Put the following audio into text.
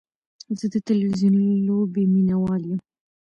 زه د تلویزیوني لوبې مینهوال یم.